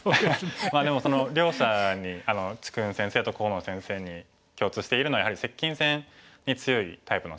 まあでも両者に治勲先生と河野先生に共通しているのはやはり接近戦に強いタイプの先生なので。